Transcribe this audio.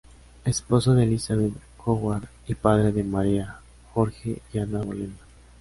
Esposo de Elizabeth Howard y padre de María, Jorge y Ana Bolena.